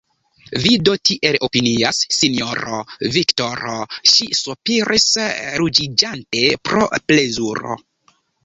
Vi do tiel opinias, sinjoro Viktoro, ŝi sopiris, ruĝiĝante pro plezuro.